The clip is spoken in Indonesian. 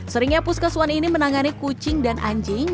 seringnya puskesuan ini menangani kucing dan anjing